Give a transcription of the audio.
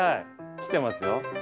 来てますよ。